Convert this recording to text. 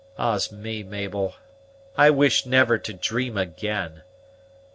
"Ah's me, Mabel, I wish never to dream again!